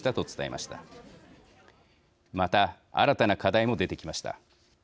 また、新たな課題も出てきました。